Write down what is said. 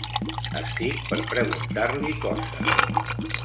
Estic per preguntar-li coses.